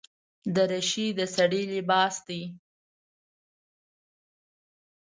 دریشي د سړي لباس دی.